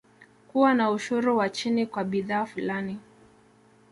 Kuwa na ushuru wa chini kwa bidhaa fulani